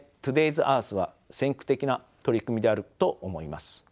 ’ｓＥａｒｔｈは先駆的な取り組みであると思います。